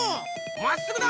まっすぐだ！